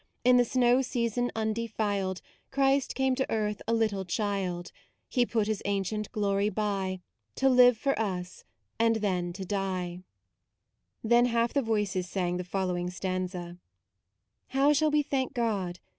In the snow season undefiled Christ came to earth a Little Child : He put His ancient Glory by To live for us and then to die." 78 MAUDE Then half the voices sang the fol lowing stanza :" How shall we thank God?